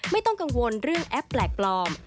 ไม่ต้องกังวลเรื่องแอปแปลกปลอม